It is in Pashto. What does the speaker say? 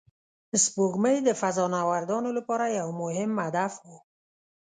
سپوږمۍ د فضانوردانو لپاره یو مهم هدف و